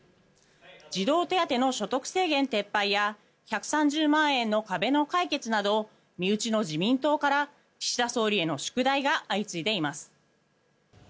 児童手当の所得制限撤廃や１３０万円の壁の解決など身内の自民党から岸田総理への宿題が相次いでいます。